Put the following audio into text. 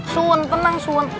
sun tenang sun